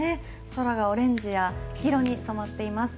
空がオレンジや黄色に染まっています。